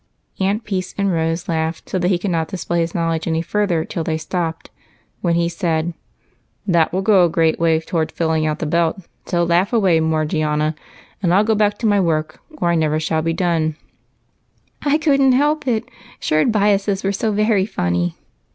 Aunt Peace and Rose laughed so that he could not display his knowledge any farther till they stoj^ped, when he said good naturedly, —" That will go a great way toward filling out the belt, so laugh away, Morgiana, and I '11 go back to my work, or I never shall be done." A BELT AND A BOX. 55 " I could n't help it, ' shirred biases ' were so very funny